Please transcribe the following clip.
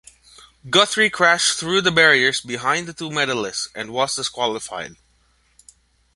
Guthrie crashed through the barriers behind the two medalists and was disqualified.